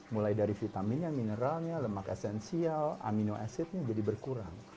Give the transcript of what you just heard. mulai dari vitaminnya mineralnya lemak esensial amino acidnya jadi berkurang